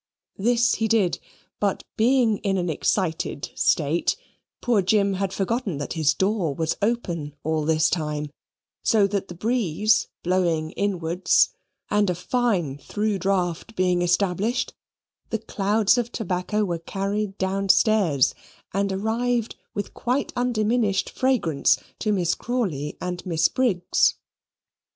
This he did: but being in an excited state, poor Jim had forgotten that his door was open all this time, so that the breeze blowing inwards and a fine thorough draught being established, the clouds of tobacco were carried downstairs, and arrived with quite undiminished fragrance to Miss Crawley and Miss Briggs.